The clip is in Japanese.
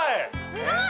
すごい！